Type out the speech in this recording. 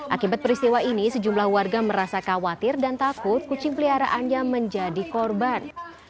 akibat peristiwa ini sejumlah warga merasa khawatir dan takut kucing peliharaannya menjadi korban